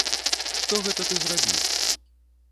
Што гэта ты зрабіў?